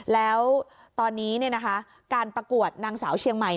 แล้วตอนนี้การประกวดนางสาวเชียงใหม่